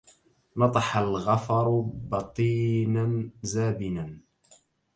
نطح الغفر بطينا زابنا